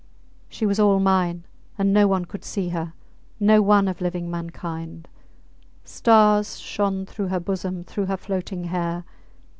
She was all mine, and no one could see her no one of living mankind! Stars shone through her bosom, through her floating hair.